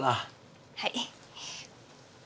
はい。